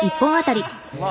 うわ！